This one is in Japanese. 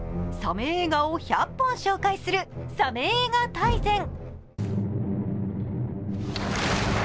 サメ映画を１００本紹介する「サメ映画大全」。